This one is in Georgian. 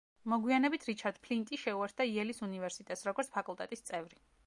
მოგვიანებით რიჩარდ ფლინტი შეუერთდა იელის უნივერსიტეტს, როგორც ფაკულტეტის წევრი.